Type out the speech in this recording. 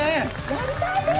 やりたいです！